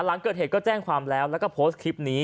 หลังเกิดเหตุก็แจ้งความแล้วแล้วก็โพสต์คลิปนี้